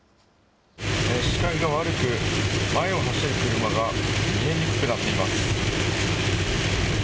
視界が悪く、前を走る車が見えにくくなっています。